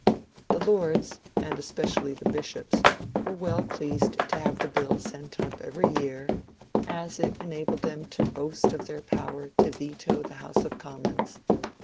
The Lords, and especially the bishops, were well pleased to have the bill sent up every year, as it enabled them to boast of their power to veto the House of Commons.